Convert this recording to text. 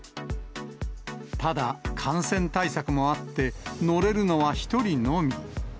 ただ、感染対策もあって、乗れるのは１人のみ。